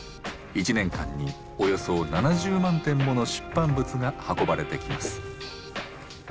一年間におよそ７０万点もの出版物が運ばれてきます。